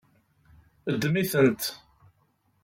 Ddem-itent.